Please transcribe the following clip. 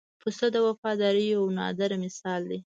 پسه د وفادارۍ یو نادره مثال دی.